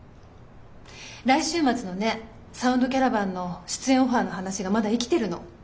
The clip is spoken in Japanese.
来週末のね「サウンドキャラバン」の出演オファーの話がまだ生きてるの。